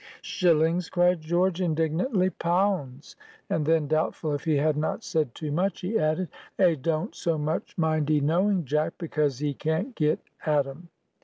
"Shillings!" cried George, indignantly; "pounds!" And then, doubtful if he had not said too much, he added, "A don't so much mind 'ee knowing, Jack, because 'ee can't get at 'em!"